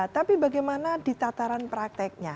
tapi bagaimana ditataran prakteknya